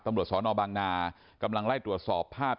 ตำรวจสอนอบางนากำลังไล่ตรวจสอบภาพ